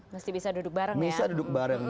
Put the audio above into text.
mesti bisa duduk bareng ya